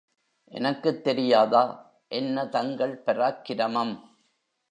எனக்குத் தெரியாதா என்ன தங்கள் பராக்கிரமம்?